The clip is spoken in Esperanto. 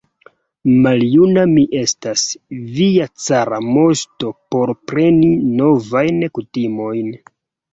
Maljuna mi estas, via cara moŝto, por preni novajn kutimojn!